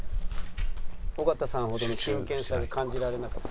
「尾形さんほどの真剣さを感じられなかった」。